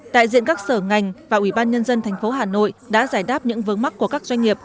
tại diện các sở ngành và ủy ban nhân dân tp hà nội đã giải đáp những vớn mắc của các doanh nghiệp